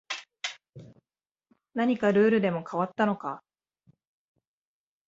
何かルールでも変わったのか